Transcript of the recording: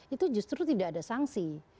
itu justru tidak ada sanksi